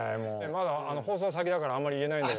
まだ放送先だからあんまり言えないんだけど。